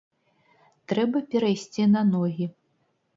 Трэба перайсці на ногі!